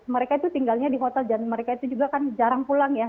mereka itu tinggalnya di hotel dan mereka itu juga kan jarang pulang ya